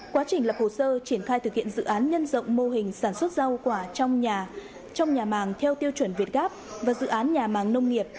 quá trình lập hồ sơ triển khai thực hiện dự án nhân rộng mô hình sản xuất rau quả trong nhà trong nhà màng theo tiêu chuẩn việt gáp và dự án nhà màng nông nghiệp